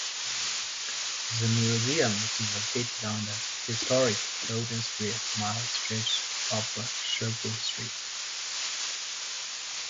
The museum is located on the historic Golden Square Mile stretch of Sherbrooke Street.